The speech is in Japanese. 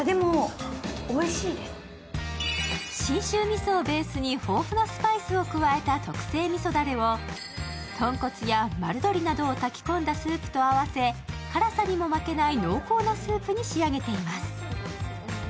信州みそをベースに豊富なスパイスを加えた特製みそダレをとんこつや丸鶏などを炊き込んだスープと合わせ辛さにも負けない濃厚なスープに仕上げています。